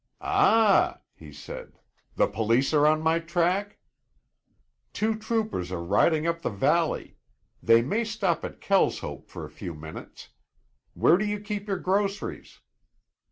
"Ah!" he said. "The police are on my track?" "Two troopers are riding up the valley. They may stop at Kelshope for a few minutes. Where do you keep your groceries!"